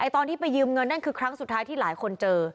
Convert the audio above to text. ตอนที่ไปยืมเงินนั่นคือครั้งสุดท้ายที่หลายคนเจอ